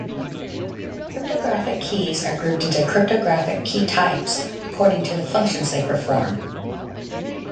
Cryptographic keys are grouped into cryptographic key types according to the functions they perform.